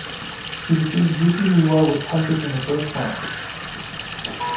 He defeated Yuki Miwa with punches in the first round.